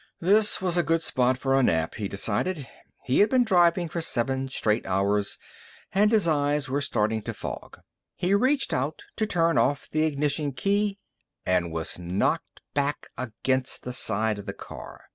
This was a good spot for a nap, he decided. He had been driving for seven straight hours and his eyes were starting to fog. He reached out to turn off the ignition key And was knocked back against the side of the car.